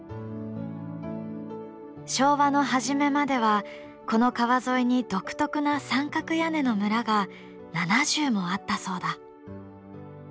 昭和の初めまではこの川沿いに独特な三角屋根の村が７０もあったそうだ。